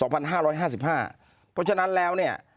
เพราะฉะนั้นแล้วเนี่ย